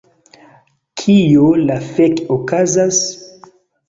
Kio la fek okazas...?